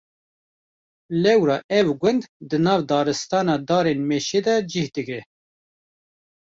Lewra ev gund di nav daristana darên mêşe de cih digire.